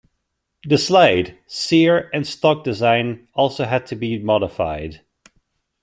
The slide, sear, and stock design also had to be modified.